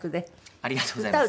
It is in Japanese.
ありがとうございます。